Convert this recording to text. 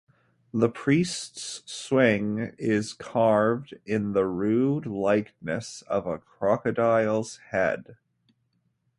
The priest's swing is carved in the rude likeness of a crocodile's head.